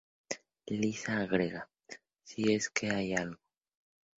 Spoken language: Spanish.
Lisa agrega: "Si es que hay algo.